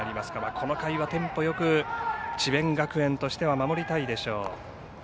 この回はテンポよく智弁学園としては守りたいでしょう。